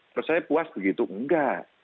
terus saya puas begitu enggak